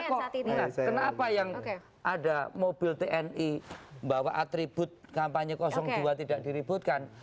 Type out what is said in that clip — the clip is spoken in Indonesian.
kenapa yang ada mobil tni bawa atribut kampanye dua tidak diributkan